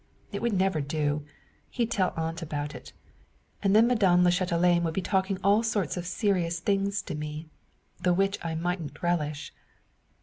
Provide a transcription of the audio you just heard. It would never do. He'd tell aunt about it; and then Madame la Chatelaine would be talking all sorts of serious things to me the which I mightn't relish.